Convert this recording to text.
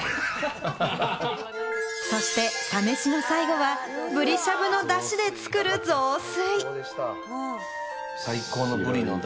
そしてサ飯の最後はブリしゃぶのダシで作る雑炊。